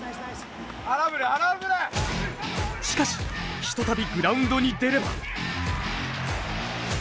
しかし一たびグラウンドに出れば。